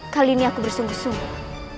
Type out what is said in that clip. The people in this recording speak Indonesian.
kali ini aku bersungguh sungguh